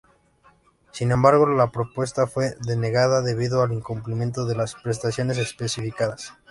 Sin embargo la propuesta fue denegada, debido al incumplimiento de las prestaciones especificadas.